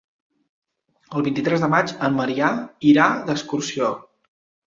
El vint-i-tres de maig en Maria irà d'excursió.